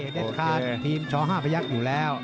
เดชคารแฟนม์ชอห้าประยักษณ์อยู่แล้ว